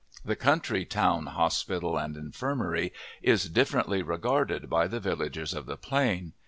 This country town hospital and infirmary is differently regarded by the villagers of the Plain.